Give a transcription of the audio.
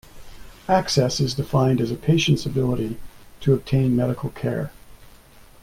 Access is defined as a patient's ability to obtain medical care.